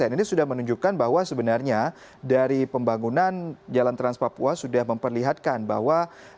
ini sudah menunjukkan bahwa sebenarnya dari pembangunan jalan trans papua sudah memperlihatkan bahwa